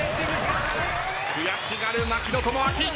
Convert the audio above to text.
悔しがる槙野智章。